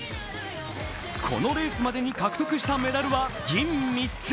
このレースまでに獲得したメダルは銀３つ。